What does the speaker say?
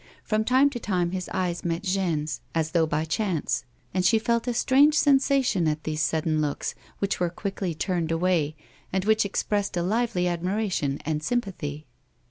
From time to time his eyes met Jeanne's, as though by chance ; and she felt a strange sensation at these sudden looks which were quickly turned away and which expressed a lively admira tion and sympathy.